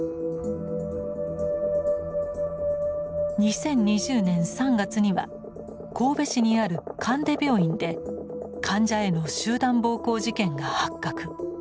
２０２０年３月には神戸市にある神出病院で患者への集団暴行事件が発覚。